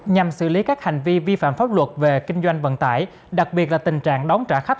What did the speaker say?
nhằm xử lý các hành vi vi phạm pháp luật về kinh doanh vận tải đặc biệt là tình trạng đón trả khách